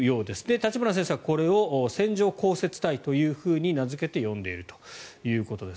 立花先生はこれを線状降雪帯と名付けて呼んでいるということです。